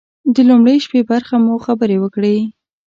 د لومړۍ شپې برخه مو خبرې وکړې.